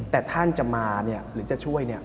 แต่ท่านจะมาหรือจะช่วย